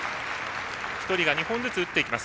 １人が２本ずつ打っていきます。